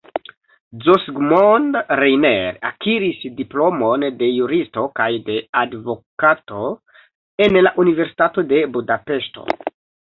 Zsigmond Reiner akiris diplomon de juristo kaj de advokato en la Universitato de Budapeŝto.